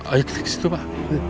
ayo ke situ pak